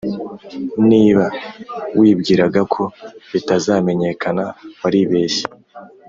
, niba wibwiraga ko bitazamenyekana, waribeshye.